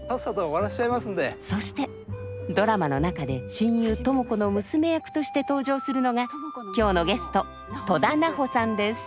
そしてドラマの中で親友知子の娘役として登場するのが今日のゲスト戸田菜穂さんです